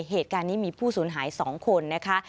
เหตุการณ์นี้มีผู้สูญหาย๒คนนะคะ